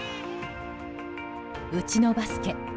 うちのバスケ。